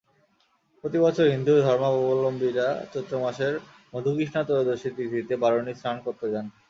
প্রতিবছর হিন্দু ধর্মাবলম্বীরা চৈত্র মাসের মধুকৃষ্ণা ত্রয়োদশী তিথিতে বারুণী স্নান করতে যান।